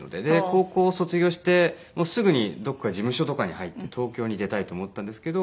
高校を卒業してすぐにどこか事務所とかに入って東京に出たいと思ったんですけど